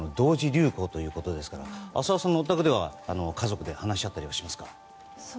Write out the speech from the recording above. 流行ということですから浅尾さんのお宅では家族で話し合ったりしますか。